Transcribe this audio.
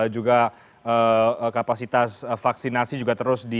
juga kapasitas vaksinasi juga terbentuk